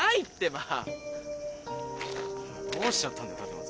どうしちゃったんだよ立松。